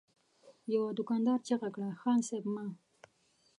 يوه دوکاندار چيغه کړه: اه! خان صيب! مه!